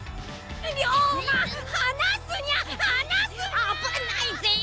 あぶないぜよ！